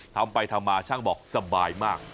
ทำไปทำมาช่างบอกสบายมาก